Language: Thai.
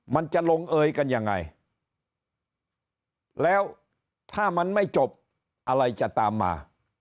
มันจะลงเอยกันยังไงแล้วถ้ามันไม่จบอะไรจะตามมา